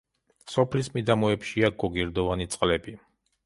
სოფლის მიდამოებშია გოგირდოვანი წყლები.